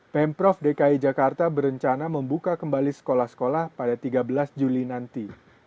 pemprov dki jakarta berencana membuka kembali sekolah sekolah pada tiga belas juli nanti